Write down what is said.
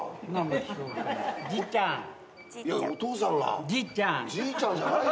お父さんが？